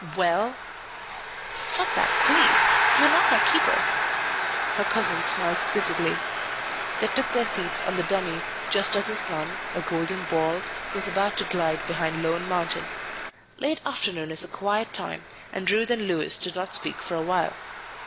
"Well?" "Stop that, please. You are not my keeper." Her cousin smiled quizzically. They took their seats on the dummy, just as the sun, a golden ball, was about to glide behind Lone Mountain. Late afternoon is a quiet time, and Ruth and Louis did not speak for a while.